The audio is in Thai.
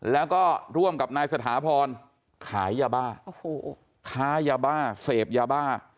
แล้วก็ร่วมกับนายสถาพรขายบ้าขายบ้าเสพยาบ้า